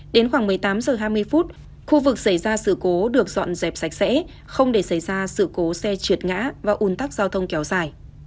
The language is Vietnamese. đến khoảng một mươi tám h hai mươi phút khu vực xảy ra sự cố được dọn dẹp sạch sẽ không để xảy ra sự cố xe trượt ngã và ủn tắc giao thông kéo dài